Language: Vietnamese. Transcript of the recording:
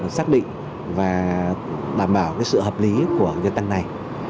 xác định và đảm bảo sự hợp lý của việc tăng này